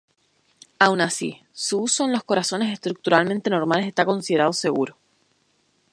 Aun así, su uso en los corazones estructuralmente normales está considerado seguro.